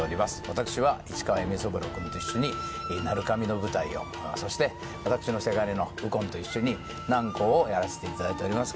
私は市川笑三郎君と一緒に「鳴神」の舞台をそして私のせがれの右近と一緒に「楠公」をやらせていただいております